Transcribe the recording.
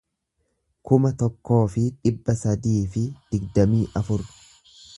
kuma tokkoo fi dhibba sadii fi digdamii afur